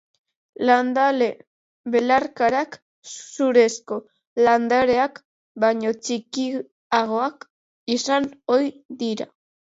Landare belarkarak zurezko landareak baino txikiagoak izan ohi dira.